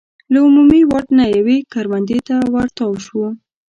له عمومي واټ نه یوې کروندې ته ور تاو شو.